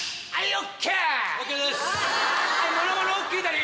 ＯＫだね？